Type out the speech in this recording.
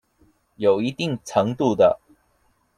有一定程度的